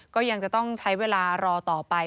ก็ยังจะต้องใช้เวลารอต่อไป